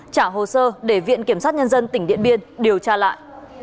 trả hồ sơ để viện kiểm sát nhân dân tỉnh điện biên điều tra lại